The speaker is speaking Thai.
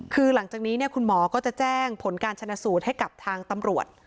คือหลังจากนี้คุณหมอก็จะแจ้งผลการชนะสูตรให้กับทางตำรวจ